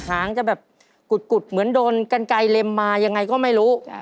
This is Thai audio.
หางจะแบบกุดเหมือนโดนกันไกลเล็มมายังไงก็ไม่รู้